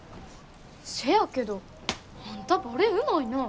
せやけどあんたバレエうまいな。